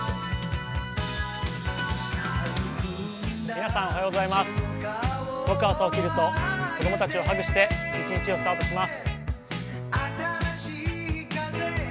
皆さん、おはようございます僕は朝起きると子供たちをハグして一日をスタートします。